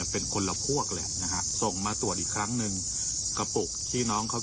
เป็นคนละพวกเลยนะฮะส่งมาตรวจอีกครั้งหนึ่งกระปุกที่น้องเขา